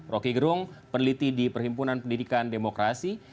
roky gerung peneliti di perhimpunan pendidikan demokrasi